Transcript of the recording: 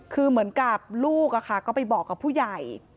คือเหมือนกับลูกก็ไปบอกกับผู้ใหญ่